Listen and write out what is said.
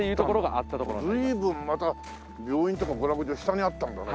随分また病院とか娯楽場下にあったんだね。